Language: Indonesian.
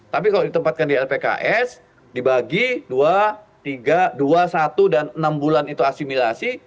tapi kalau ditempatkan di lpks dibagi dua tiga dua satu dan enam bulan itu asimilasi